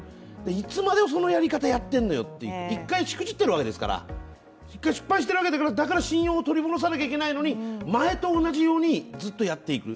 いつまでそのやり方やっているのよって１回しくじっているわけですから、１回失敗しているわけだから信用を取り戻さないといけないのに前と同じようにずっとやっている。